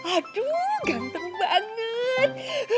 aduh ganteng banget